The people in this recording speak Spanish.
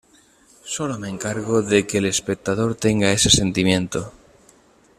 Sólo me encargo de que el espectador tenga ese sentimiento.